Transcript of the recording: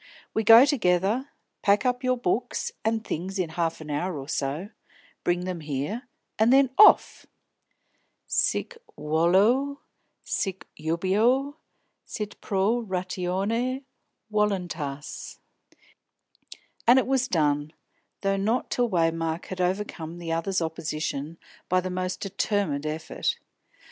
We go together, pack up your books and things in half an hour or so, bring them here, and then off! Sic volo, sic jubeo, sit pro ratione voluntas!" And it was done, though not till Waymark had overcome the other's opposition by the most determined effort.